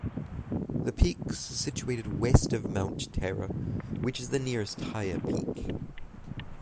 The peaks are situated west of Mount Terror which is the nearest higher peak.